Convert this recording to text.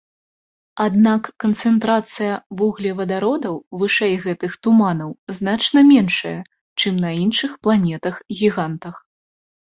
Аднак канцэнтрацыя вуглевадародаў вышэй гэтых туманаў значна меншая, чым на іншых планетах-гігантах.